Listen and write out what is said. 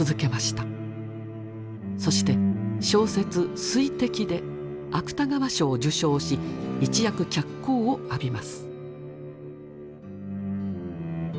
そして小説「水滴」で芥川賞を受賞し一躍脚光を浴びます。